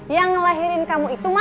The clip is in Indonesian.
yang ngelahirin kamu itu mah